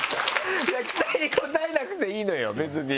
期待に応えなくていいのよ別に。